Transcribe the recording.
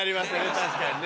確かにね。